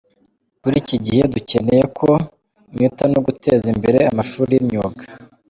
Kuri iki gihe, dukeneye ko mwita no ku guteza imbere amashuri y’imyuga».